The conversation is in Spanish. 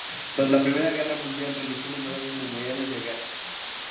Tras la Primera Guerra Mundial realizó numerosos Memoriales de Guerra.